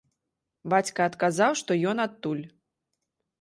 Бацька адказаў, што ён адтуль.